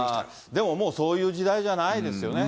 でももうそういう時代じゃないですよね。